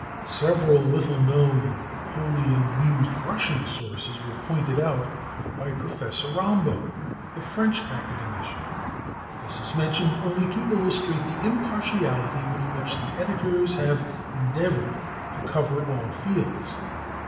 Several little known and wholly unused Russian sources were pointed out by Professor Rambaud, the French Academician. But this is mentioned only to illustrate the impartiality with which the editors have endeavored to cover all fields.